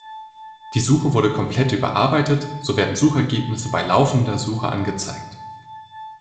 Die Suche wurde komplett überarbeitet, so werden Suchergebnisse bei laufender Suche angezeigt.